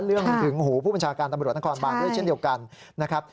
ถึงหูผู้บัญชาการตำรวจนครบานด้วยเช่นเดียวกันนะครับ